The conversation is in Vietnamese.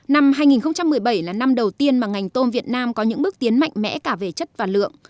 năm hai nghìn một mươi bảy là năm đầu tiên mà ngành tôm việt nam có những bước tiến mạnh mẽ cả về chất và lượng